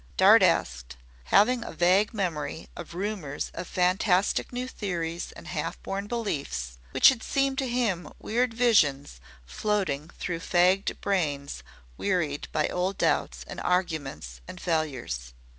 Dart asked, having a vague memory of rumors of fantastic new theories and half born beliefs which had seemed to him weird visions floating through fagged brains wearied by old doubts and arguments and failures.